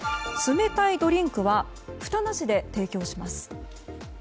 冷たいドリンクはふたなしで提供します。